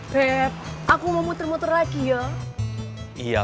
bet aku mau muter muter lagi ya iya